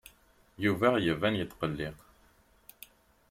Yuba yettban yetqelleq.